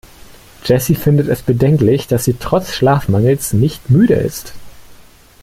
Jessy findet es bedenklich, dass sie trotz Schlafmangels nicht müde ist.